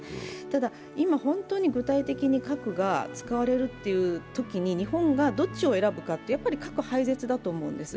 ただ今、本当に具体的に核が使われるというときに日本がどっちを選ぶかやっぱり核廃絶だと思うんです。